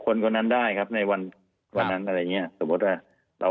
คนคนนั้นได้ครับในวันนั้นอะไรอย่างนี้สมมติว่า